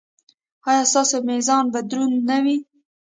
ایا ستاسو میزان به دروند نه وي؟